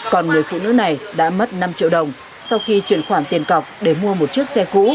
còn người phụ nữ này đã mất năm triệu đồng sau khi chuyển khoản tiền cọc để mua một chiếc xe cũ